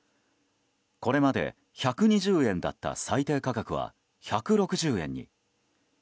これまで１２０円だった最低価格は、１６０円に。